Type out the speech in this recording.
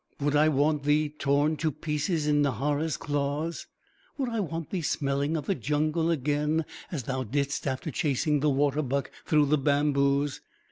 "Would I want thee torn to pieces in Nahara's claws? Would I want thee smelling of the jungle again, as thou didst after chasing the water buck through the bamboos?